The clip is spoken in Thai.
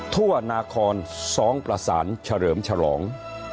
ทั่วนาคอน๒ประสานเฉลิมฉลอง